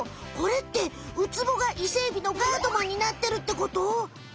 これってウツボがイセエビのガードマンになってるってこと？